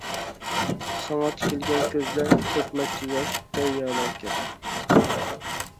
ساڭا تىكىلگەن كۆزلەر، تۆكمەكتە ياش، دەريالار كەبى.